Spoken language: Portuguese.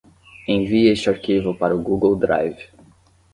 Envie este arquivo para o Google Drive.